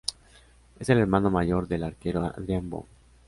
Es el hermano mayor del arquero Adrián Bone.